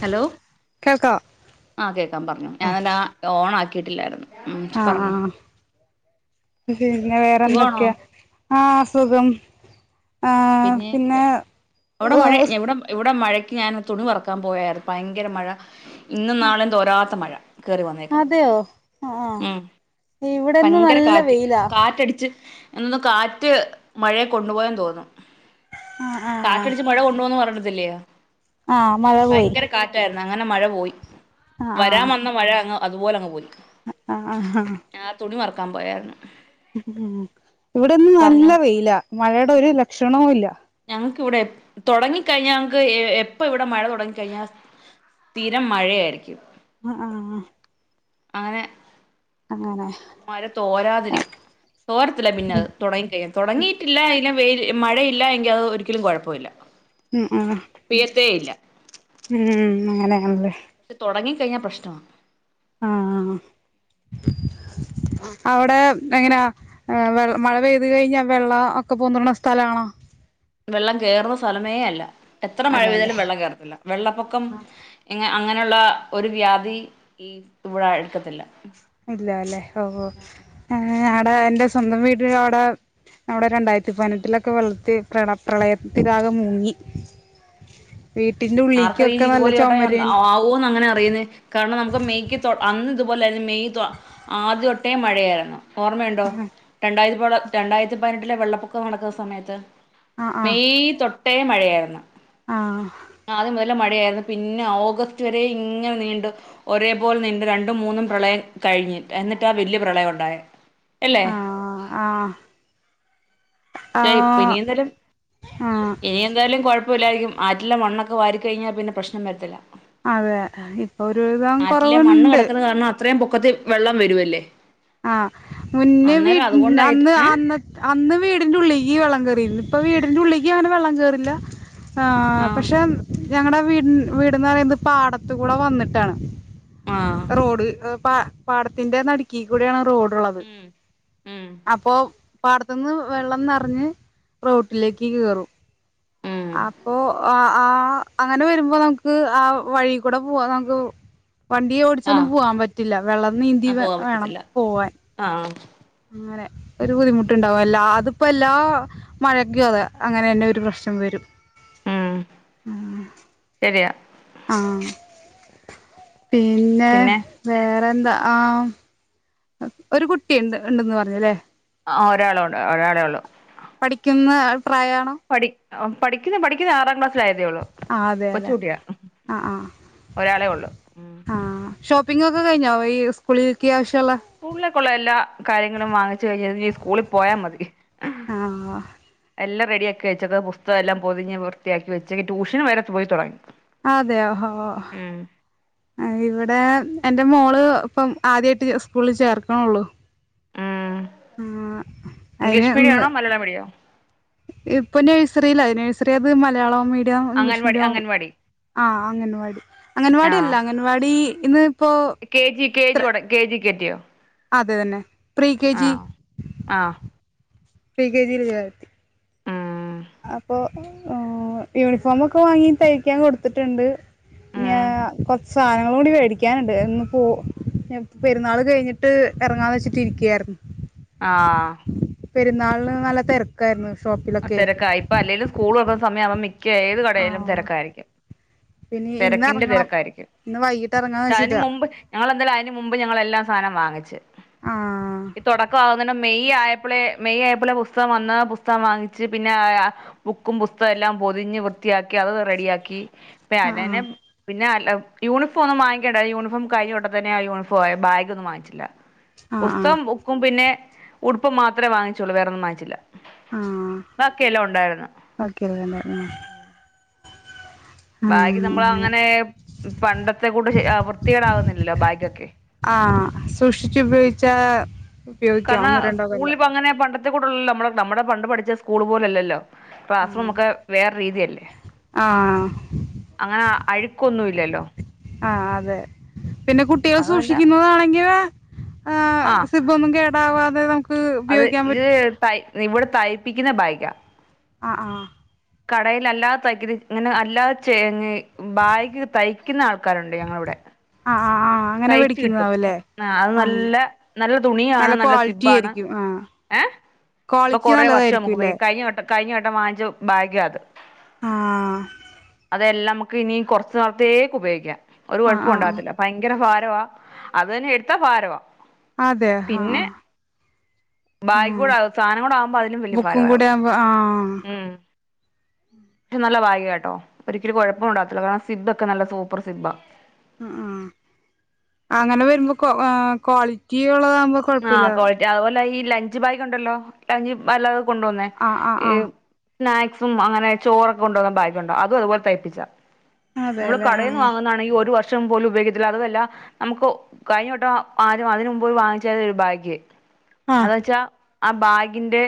Hello കേൾക്കോ ആ കേക്കാം പറഞ്ഞോ ആ ഞാനാണ്ടേ ഓണാ കേട്ടില്ലായിരുന്നു ആ ആ ഉംപറഞ്ഞോ പിന്നെ വേറെ എന്തൊക്കെയാ ആ സുഖം ഉ ആ പിന്നെ അവിടെ മഴ ഏഹ് ഇവിടെ ഇവിടെ മഴ ഞാൻ തുണി പറക്കാൻ പോയാരുന്നു ഭയങ്കര മഴ ഇന്നും നാളെയും തോരാത്ത മഴ കേറി വന്നേക്കുന്നു അതെയോ ആ ഉം ഇവിടെ ഇന്ന് ഭയങ്കര നല്ല കാറ്റ് വെയിലാ കാറ്റടിച്ച് എന്നൊന്ന് കാറ്റ് മഴയെ കൊണ്ടുപോയ തോന്നും ആ ആ ആ കാറ്റടിച്ച് മഴ കൊണ്ടുപോന്ന് പറഞ്ഞത്തില്ലയോ ആ മഴ പോയി അങ്ങനെ മഴ പോയി ആ ആ വരാൻ വന്ന മഴ അങ്ങ് അതു പോലെ അങ്ങ് പോയി ആ ആ ക്കാൻ പോയായിരുന്നു ഉ ഇവിടെന്ന് നല്ല പറഞ്ഞോ വെയില മഴ ഒരു ലക്ഷണവും ഇല്ല നമുക്ക് ഇവിടെ തുടങ്ങിക്കഴിഞ്ഞാൽ നമക്ക് എപ്പ ഇവിടെ മഴ തുടങ്ങി കഴിഞ്ഞാൽ സ്ഥിരം മഴ ആയിരിക്കും ആ ആ അങ്ങനെ അങ്ങനെ മഴ തോരാതിരിക്കും തോരത്തില്ല പിന്നെ ഉം അത് തെടങ്ങിക്കഴിയൻ തെടങ്ങിട്ടില്ല അതിൽ വെയി മഴയില്ല എങ്കിൽ അത് ഒരിക്കിലും കുഴപ്പമില്ല ഉം പെയ്യത്തേയില്ല ഉം അങ്ങനെയണല്ലേ പക്ഷെ തെടങ്ങിക്കഴിഞ്ഞാൽ പ്രശ്നവാ ആ അവിടെ എങ്ങനാ മഴ പെയ്ത് കഴിഞ്ഞാ വെള്ള ഒക്കെ പൊന്തണ സ്ഥല ആണോ വെള്ളം കേയറുന്ന സ്ഥലമേ അല്ല എത്ര മഴ അല്ല അല്ലേ പെയ്താലും വെള്ളം കേറത്തില്ല വെള്ളപ്പൊക്കം ഇങ്ങ അങ്ങനെയുള്ള ഒരു വ്യാധി ഈ ഇവിടെ അടുക്കത്തില്ല ഇല്ല അല്ലേ ഓ [unintelligible] വ്ടെ എന്റെ സ്വന്തം വീടിൻ്റെ അവ്ടെ നമ്മടെ രണ്ടായിരത്തി പതിനെട്ടിലൊക്കെ വെള്ളത്തി പ്രള പ്രളയത്തിലാകെ മുങ്ങി വീട്ടിൻ്റെ ആർക്കറിയാ ഉള്ളിക്കൊക്കെ നല്ല ഇതുപോലെ ഈവട്ട ചുമര് ഒണ്ടാ ആവോന്ന് എങ്ങനെ അറിയുന്നേ കാരണം നമുക്ക് മെയ്ക്ക് തൊ അന്ന് അതുപോലായിരുന്നു മെയ് തൊ ആദ്യതൊട്ടേ മഴയായിരുന്നു ഓർമ്മയണ്ടോ രണ്ടായിത്തിപോള് രണ്ടായിരത്തി പതിനെട്ടിലെ വെള്ളപ്പൊക്കം നടക്കുന്ന സമയത്ത് ആ ആ മെയ് തൊ ട്ടേ മഴയായിരുന്നു ആ ആദ്യം മുതലേ മഴയായിരുന്നു, പിന്നെ ഓഗസ്റ്റ് വരേ ഇങ്ങനെ നീണ്ടു, ഒരേ പോലനിന്നു രണ്ടും, മൂന്നും പ്രളയം കഴിഞ്ഞു, എന്നിട്ടാ വല്യ പ്രളയം ഒണ്ടായെ ആഹ് ആ ആ ക്ഷേ ഇപ്പ ഇനി എന്തായാലും ആ ഇനി എന്തായാലും കൊഴപ്പമില്ലായിരിക്കും. ആറ്റിലെ മണ്ണൊക്കെ വാരി കഴിഞ്ഞാ പിന്നെ പ്രശ്നം വരത്തില്ല. അതെ ഇപ്പൊ ഒരു വിധം കൊറവുണ്ട്. ത്രയും പൊക്കത്തി വെള്ളം വരുവല്ലേ ആ മുന്നേ, വീ അന്നേരം അതുകൊണ്ടായിട്ട് അന്ന് ഏ അന്ന അന്ന് വീടിന്റുള്ളി ഈ വെള്ളം കേറിയിരുന്നു, ഇപ്പ വീടിന്റെ ഉള്ളിക്ക് അങ്ങനെ വെള്ളം കേറില്ല. ആ ആഹ് പക്ഷെ ഞങ്ങടെ വീടി വീടന്ന് പറയുന്നത് പാടത്ത് കൂടെ വന്നിട്ടാണ്. ആഹ് റോഡ് എ പാ പാടത്തിന്റെ നടു തി കൂടെയാണ് റോഡ് ഒള്ളത് ഉം ഉം അപ്പൊ പാടത്തുന്ന് വെള്ളം നെറഞ്ഞ് റോട്ടിലേക്ക് കേറും ഉം അപ്പൊ ആ ആ, അങ്ങനെ വരുമ്പോ നമുക്ക് ആ വഴി കൂടെ പോവാൻ നമുക്ക് വണ്ടി ഓടിച്ചൊന്നും ആഹ് പോവാൻ പറ്റില്ല വെള്ളം നീന്തി വ പോവാൻ വേണം പറ്റത്തില്ല പോവാൻ ആ അങ്ങനെ ഒരു ബുദ്ധിമുട്ടുണ്ടാവും, എല്ലാ അതിപ്പോ എല്ലാ മഴക്കും അതെ അങ്ങനെ തന്നെ ഒരു പ്രശ്നം വരും. ഉം ശരിയാ ആ പിന്നെ വേ എന്താ ആ ഒരു കുട്ടി ഉണ്ട്, ഉണ്ടന്ന് പറഞ്ഞല്ലേ ആ ഒരാള്, ഉണ്ട് ഒരാളേ ഉള്ളു പഠിക്കുന്ന പ്രായണോ പഠിക്കുന്നു പഠിക്കുന്ന ആറാം ക്ലാസിലായിരുന്നു [unintelligible] ആഹ് അതെല്ലെ കൊച്ചുകുട്ടിയാ, ആഹ് ആഹ് ഒരാളേ ഉള്ളു ആഹ് ഷോപ്പിംഗ് ഒക്കെ കഴിഞ്ഞോ ഈ സ്കൂളിലക്ക് ആവശ്യം സ്കൂളിലേക്കുള്ള എല്ലാ കാര്യങ്ങളും വാങ്ങിച്ച് കഴിഞ്ഞ സ്കൂളിൽ പോയാൽ മതി ആ എല്ലാം റെഡിയാക്കി വെച്ചത് പുസ്തക എല്ലാം പൊതിഞ്ഞ് വൃത്തിയാക്കി വെച്ച് ട്യൂഷന് വരെ പോയി തുടങ്ങി അതെയോ ഹോ ഹോ ഉം ഇവിടെ എൻ്റെ മോള് ഇപ്പം ആദ്യയിട്ട് സ്കൂളിൽ ചേർക്കണള്ളു ഉം ഉം അയിന് ഇംഗ്ലീഷ് മീഡിയം ഒന്ന് ആണോ മലയാളം മീഡിയോ ഇപ്പൊ നഴ്സറില നേഴ്സറി അത് Malayalam medium English anganwadi medium anganwadi ആ അംഗൻവാടി അംഗൻവാടി അല്ല ആഹ് അംഗൻവാടി ഇന്ന് ഇപ്പോ കെ ജി കെ ജി വടെ കെജി ക്കെത്തിയോ അതന്നെ പ്രീ കെ ജി ആഹ് പ്രീ കെ ജി ല്ലേ ഉം ആപ്പൊ ഓ യുണിഫോം ഒക്കെ വാങ്ങി തയ്ക്കാൻ കൊടുത്തിട്ടുണ്ട് മ്യാ ഉം സാനങ്ങളൂടി മേടിക്കാനുണ്ട് ഇന്ന് പോ പെരുന്നാൾ കഴിഞ്ഞിട്ട് ഇറങ്ങാന്ന് വെച്ചിട്ട് ഇരിക്കയായിരുന്നു ആ പെരുന്നാളിന് നല്ല തിരക്കായിരുന്നു ഷോപ്പിലൊക്കെ തിരക്കായി ഇപ്പ അല്ലേലും സ്കൂൾ തുറ സമയമാവ മേ ഏത് കടയിലും ആഹ് തിരക്കായിരിക്കും പിന്നെ ഇന്ന് തിരക്കിന്റെ ഇറങ്ങണം തിരക്കായിരിക്കും ഇന്ന് വൈകിട്ട് ഇറങ്ങാന്ന് കാര്യം വെച്ചിട്ടാ മുമ്പ് ഞങ്ങെളെന്താ മുമ്പ് ഞങ്ങള് എല്ലാം സാനം വാങ്ങിച്ച് ആഹ് ഈ തുടക്കമാവുന്ന മെയ് ആയപ്പളെ മെയ് ആയപ്പളെ പുസ്തകം വന്ന് പുസ്തകം വാങ്ങി ച്ച് പിന്നെ ആ ബുക്കും പുസ്തകം എല്ലാം പൊതിഞ്ഞ് വൃത്തിയാക്കി അത് റെഡിയാക്കി പലനെ ആഹ് പിന്നെ യൂണിഫോം ഒന്നും വാങ്ങിക്കണ്ട യൂണിഫോം കഴിഞ്ഞോ വട്ടം തന്നെ ആ യൂണിഫോ ആയി ബഗ് ഒന്നും വാങ്ങിച്ചില്ല ആഹ് ആഹ് പുസ്തകം ബുക്കും പിന്നെ ഉടുപ്പും മാത്രമേ വാങ്ങിച്ചോളൂ വേറൊന്നും വാങ്ങിച്ചില്ല ആ ബാക്കിയെല്ലാം ഉണ്ടായിരുന്നു ബാഗ് നമ്മൾ അങ്ങനെ പണ്ടത്തെ കൂട്ട് ശെ വൃത്തിയേടാകുന്നില്ലല്ലോ ബാഗൊക്കെ ആഹ് സൂക്ഷിച്ചുപയോഗിച്ചാ ഉപയോഗിക്കാം കാരണ ഒന്നോ രണ്ടോ കൊല്ലം സ്കൂളിൽപ്പോ അങ്ങനെ പണ്ടത് [unintelligible] നമ്മള്നമ്മുടെ പണ്ട് പഠിച്ച സ്കൂൾ പോലല്ലല്ലോ പാസ് ആഹ് നമ്മുക്ക് വേറെ രീതിയല്ലേ ആഹ് ആഹ് അഴുക്കൊന്നും ഇല്ലല്ലോ ആ അതെ പിന്നെ കുട്ടികൾ അതുമല്ല സൂക്ഷിക്കുന്നതാണെങ്കിൽ ആഹ് ആ സിബൊന്നും കേ ഉണ്ടാവാതെ താ അത് ഇത് തൈ ഇവിടെ തൈപ്പിക്കുന്ന ബാഗാ ആ ആ കടയില് അല്ലാതെ തയ്ക്ക്ത് ഇങ്ങനെ അല്ലാതെ ചെ ബാഗ് തയ്ക്കുന്ന ആൾക്കാരുണ്ട് ഞങ്ങളവിടെ ആഹ് ആഹ് ആഹ് അങ്ങനെ തൈച്ച് കിട്ടും മേടിക്കുന്നതാവുംല്ലേ ആ അത് ആഹ് നല്ല നല്ല തുണിയാണ് നല്ല ക്വാളിറ്റി സിബാണ് ആയിരിക്കും ആഹ് ഏ അപ്പൊ ക്വാളിറ്റി കൊറെേ വർഷം ഒക്കെ നല്ലതായിരിക്കുംല്ലേ ഉപയോഗി കഴിഞ്ഞ വട്ടം കഴിഞ്ഞ വട്ടം വാങ്ങിച്ചു ബാഗാത് ആ എല്ലാം നമുക്ക് ഇനി കുറച്ച് നാളത്തേക്ക് ഉപയോഗിക്കാം ഒരു ആഹ് കുഴപ്പം ആഹ് ഉണ്ടാവത്തില്ല ഭ യങ്കര ഫാരവാ അത് തന്നെ എടുത്താ ഫാരവാ അതെ ആഹ ബാഗ് ഉം കൂടെ സാധനം കൂടെ ആകുമ്പോ അതിലും വലിയ ബുക്കും കൂടെ ഭാരമാവും ആകുമ്പോ ആ ഉം പക്ഷെ നല്ല ബാഗ് കേട്ടോ ഒരിക്കലും കുഴപ്പം ഉണ്ടവത്തില്ല കാ സിബ്ബൊക്കെ നല്ല സൂപ്പർ സിബ്ബാ അ ആ അങ്ങനെ വരുമ്പോ കൊ ക്വാളിറ്റി ഉള്ളത ക്വാളിറ്റി അതുപോലെ ഈ ലഞ്ച് ബാഗ് ഉണ്ടല്ലോ ങ്കിൽ വല്ല കൊണ്ടുപോന്നെ ആഹ് ആഹ് ഈ ആഹ് സ്നാക്സും അങ്ങനെ ചോറൊക്കെ കൊണ്ടോന്ന ബാഗണ്ടോ അതും അതുപലെ തയ്പ്പിച്ചാ നമ്മള് അതെല്ലേ കടയിൽ നിന്ന് ആഹ് വാങ്ങുന്നതാണെങ്കിൽ ഒരു വർഷ ഷം പോലും ഉപയോഗിക്കത്തില്ല അതുമല്ലാ നമുക്ക് കഴിഞ്ഞോട്ട ആരും അതിനെമുനെപ്പ് വാങ്ങി ചെറിയ ഒരു ഭാഗ്യയി ആഹ് അതുവെച്ചാ ആ ബാഗിന്റെ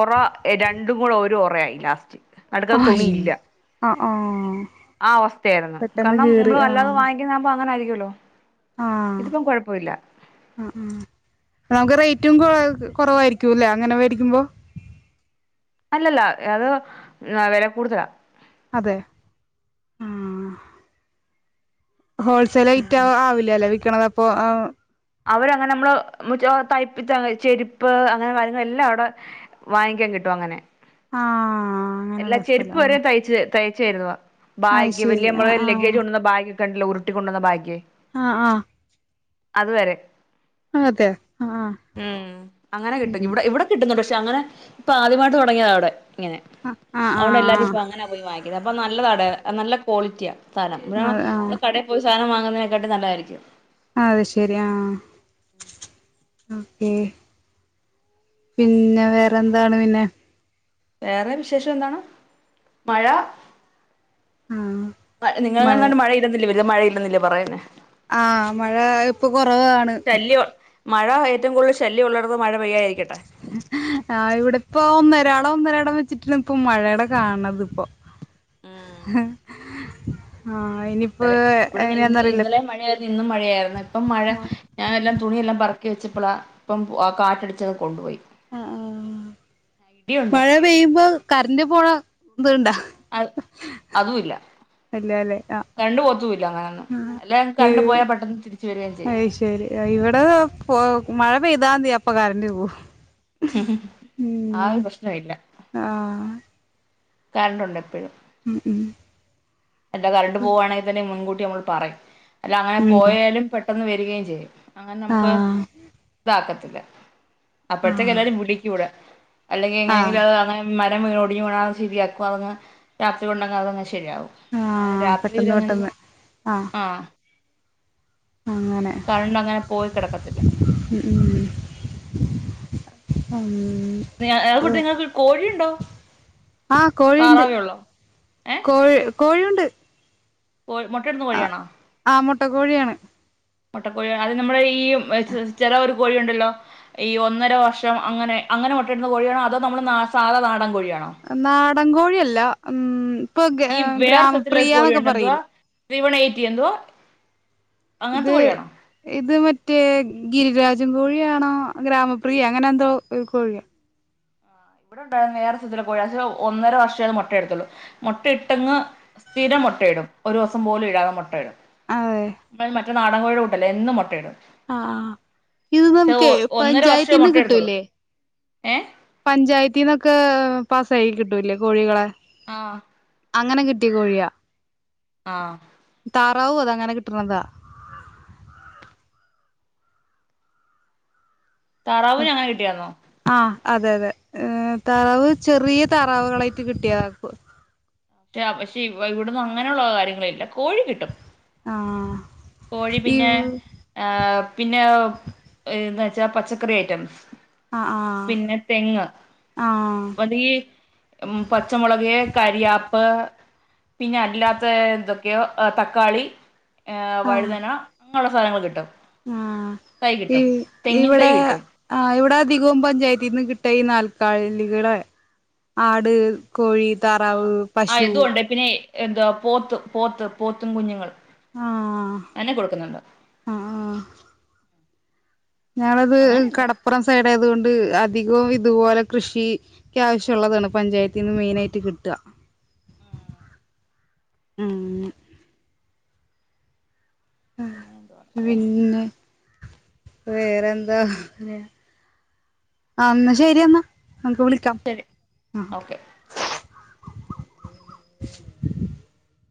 ഒറ രണ്ടും കൂടെ ഒരു ഉറയായി ലാസ്റ്റ് നടുക്കത്ത തുണി ഇല്ല ആ ആ അവസ്ഥയായിരുന്നു കാരണം നമ്മള് അല്ലാതെ വാങ്ങിക്കുന്ന ആകുമ്പോ അങ്ങനാ [unintelligible] ആ ആ ആ നമുക്ക് റേ റ്റും കൊ കുറവായിരിക്കുല്ലേ അങ്ങനെ വേടിക്കുമ്പോ അല്ലല്ല അത് വില കൂടുതലാ അതെ ഉം ഹോൾസെൽ ആയിട്ട് ആവില്ലല്ല വി ണത് അപ്പൊ ആ അവരങ്ങനെ നമ്മള് മചോ തൈപ്പ് [unintelligible] ചെരുപ്പ് അങ്ങനെ കാര്യങ്ങള എല്ലാം അവിടെ വാങ്ങിക്കാൻ കിട്ടും അങ്ങനെ ആഹ് എല്ലാ അങ്ങനെയുള്ള ചെരുപ്പ് സ്ഥലം വരെ തയ്ച്ച തയ്ച്ചയുരുന്നുവ ആഹ് അത് ബാഗ് ശരി വലിയ നമ്മള് ആഹ് ലഗേജ് ആഹ് കൊണ്ടുന്ന ബാഗ് കണ്ടില്ല ഉരുട്ടി കൊണ്ടുവന്ന ബാഗേ ആ ആ അതുവരെ ആഹ് ഉം അങ്ങനെ കിട്ടും ഉം ഇവിടെ ഇവിടെ കിട്ടുന്നുണ്ട് പ ചങ്ങനെ ഇപ്പൊ ആദ്യമായിട്ട് തുടങ്ങിയത അവിടെ അങ്ങനെ ആ ആ അവിടെ എല്ലാരും ഇപ്പ അങ്ങനെ പോയി വാങ്ങുന്നത് അപ്പ ന നല്ലതാട നല്ല ക്വാളിറ്റിയാ സ്ഥലം ആ ഇവിടേണം ആ കടയിൽ പോയി സാനം വാ അതിന്ക്കട്ടി നല്ലതായിരിക്കും അ അതെ ശെരി ആ ഓക്കെ പിന്നെ വേറെ എന്താണ് പിന്നെ വേറെ വിശേഷം എന്താണ് മഴ ആ മാ നിങ്ങൾ കണ്ട് മഴ ഇരുന്നില്ലേ വേ ഇത് മഴയില്ലെന്നില്ലേ പറയന്നെ ആ മഴ ഇപ്പൊ കുറവാണ് ശല്യം മഴ ഏറ്റവും കൂടുതൽ ശല്യമുള്ള ആ ഇവിടെ ഇപ്പൊ ഒന്നരാടം ഒന്നരാടം വെച്ചിട്ടാണ് ഇപ്പൊ മഴയുടെ കാണത് ഇപ്പൊ ഉം [unintelligible] ആഹ് ഇനിയിപ്പ ഇന്നലെ ഇവിടെ എങ്ങനെയാന്ന് ഇന്ന് അറിയില്ല ഇന്നലെ മഴയായിരുന്നു ഇന്നും മഴയായിരുന്നു ഇപ്പം മഴ ഞാൻ എല്ലാം തുണിയെല്ലാം പറ ഒക്കെ വെച്ചപ്പോള ഇപ്പം ആ കാട്ടടിച്ചത് കൊണ്ടുപോയി ആഹ് ആഹ് ഇടിയുണ്ട് മഴ പെയ്യുമ്പോ കര ന്റെ പോണ എന്തണ്ടാ അ അതും ഇല്ല അല്ലല്ലേ ആ അങ്ങനൊന്നും [unintelligible] അല്ല കറണ്ട് പോയാൽ പെട്ടെന്ന് തിരിച്ചു വരികയും ചെയ്യും അയ് ശരി ഇവിടെ പോ മഴ ഇപ്പോ ഇതാ നീ അപ്പൊ കറണ്ട് പോം ആ ഒരു പ്രശ്നമില്ല ആഹ് കറന്റ്‌ ഉണ്ട് എപ്പഴും ഉം ഉം എന്റെ കറന്റ് പോവണങ്കിൽ തന്നെ മുൻകൂ ട്ടി നമ്മൾ പറയും അല്ല അങ്ങനെ ഉം പോയാലും പെട്ടെന്ന് വെരും വെറുകേം ചെയ്യും അങ്ങനെ നമുക്ക് ആഹ് ഇതാ ഇല്ല അപ്പഴത്തെക്ക് എല്ലാവരും വിളിക്കും ഇവിടെ അല്ലെങ്കിൽ എങ്ങനെങ്കിലും ആഹ് അത് അങ്ങനെ മ എന്തെങ്കിലും വീണു ഓടിയുവാണേൽ അത് ശരിയാക്കും അത് അങ്ങ് രാത്രി കൊണ്ട് അതങ്ങു ശരിയാകും അങ്ങനെ ആഹ് രാത്രിയിൽ പെട്ടെന്ന് എങ്ങനെയാണ് പെട്ടെന്ന് ആഹ് അങ്ങനെ കറണ്ട് അങ്ങനെ പോയി കിടക്കത്തില്ല ഉം ഉം നിങ്ങൾ എ ഉം ഏ [unintelligible] ക്കോഴിയുണ്ടോ ആഹ് കോഴിയുണ്ട് താറാവേ ഒള്ളോ ഏഹ് കോഴിയുണ്ട് കോഴി മുട്ടയിടുന്ന ആ കോഴിയാണോ ആ മുട്ട കോഴിയാണ് മൊട്ടക്കോഴി അത് നമ്മളെ ഈ ചെ ചെല ഒരു കോഴി ഒണ്ടല്ലോ ഈ ഒന്നര വർഷം അങ്ങനെ അങ്ങനെ മൊട്ട ഇടുന്ന കോഴിയാണോ അതോ നമ്മള് സാധാ നാടൻ കോഴി നാ നാടങ്കോഴിയല്ല ഉം ഇപ്പൊ ഗ ഈ വേറെ സ്ഥലത്തില ഒരു ഗ്രാമപ്രിയന്നൊക്കെ കോഴിയുണ്ട് എന്തുവാ പറയില്ലേ ത്രീ വൺ എയ്റ്റി എന്തുവാ ഇത് അങ്ങനത്തെ കോഴിയാണോ ഇത് മറ്റേ ഗിരിരാജ് ഞ്ചും കോഴിയാണോ ഗ്രാമപ്രിയ അങ്ങനെ എന്തോ ഒരു കോഴിയ. ആ ഇവിടെണ്ടർന്ന വേറെ സ്ഥലത്തിലെ [unintelligible] ഒന്നര വർഷത് മൊട്ടയെടുത്തുള്ളൂ, മൊട്ടയിട്ടങ്ങ് സ്ഥിര മൊട്ടയിടും, ഒരുസം പോലും ഇഴാതെ മൊട്ടയിടും. അതെ നാടങ്കോഴിടെ കൂട്ടല്ല എന്നും മൊട്ടയിടും. ആ ഇത് നമുക്കേ ഒന്നര വർഷേ പഞ്ചായത്തിന്ന് മുട്ടയെടുത്തുള്ളൂ കിട്ടൂല്ലേ? ഏഹ് പഞ്ചായത് റ്റീന്നൊക്കെ പാസായി കിട്ടൂല്ലേ കോഴികളെ. ആഹ് അങ്ങനെ കിട്ടിയ കോഴിയാ. ആഹ് താറാവു അത അങ്ങനെ കിട്ടണതാ. താറാവിന് അങ്ങനെ കിട്ടിയാന്നോ ആ അതെ അതെ ഏ താറാവ് ചെറിയ താറാവുകളായിട്ട് കിട്ടിയതാ പ്പ് [unintelligible] പക്ഷേ ഇവ് ഇവിടുന്ന് അങ്ങനെയുള്ള കാര്യങ്ങളെല്ല, കോഴി കിട്ടും. ആഹ് കോഴി പിന്നെ ഇവ് ഏ പിന്നൊ എ റ്റ പച്ചക്കറി ഐറ്റം ആഹ് ആഹ് പിന്നെ തെങ്ങ് അത് ഈ മ് പച്ചമുളക് കരിയാപ് എ പിന്നെ അല്ലാത്ത എന്തൊക്കെയോ എ തക്കാളി ഏഹ് വഴുതന അങ്ങനെയൊള്ള സാനങ്ങൾ കിട്ടും. ആ തൈ ഇ കിട്ടും തെങ്ങിൻ ഇവിടെ തൈ കിട്ടും ആ ഇവിടെ അധികവും പഞ്ചായത്തിന്ന് കിട്ടാ ഈ നാല് കളികളെ ആട് കോഴി, താറാവ്, ആഹ് ആഹ് പശു ഇതുണ്ട് പിന്നെ എന്താ പോത്ത് പോത്ത് പോത്തും കുഞ്ഞുങ്ങൾ ആഹ് അന്നെ കൊടുക്കുന്നുണ്ടോ? ഞാനത് കടപ്പുറം സൈഡായത് കൊണ് ത് അധികവും ഇതുപോലെ കൃഷി ക്കാവശ്യള്ളതാണ് പഞ്ചായത്തിന്ന് മെയിൻ ആയിട്ട് കിട്ടാ. ഉം പിന്നെ എന്തുവാണ് പറയാ. പിന്നെ വേറെന്താ [unintelligible] അന്നാ ശെരി അന്ന നമുക്ക് വിളിക്കാം, എന്നാ ശരി ആ ഓക്കെ [inaudible]